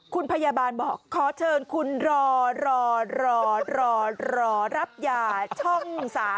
คุณพยาบาลบอกขอเชิญคุณรอรอรับยาช่อง๓๒